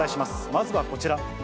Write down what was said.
まずはこちら。